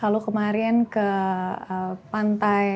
lalu kemarin ke pantai trisilis